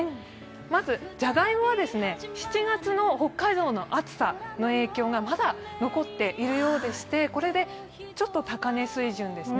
まずじゃがいもは、７月の北海道の暑さの影響がまだ残っているようでして、これで高値水準ですね。